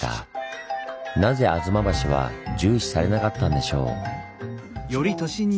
なぜ吾妻橋は重視されなかったんでしょう？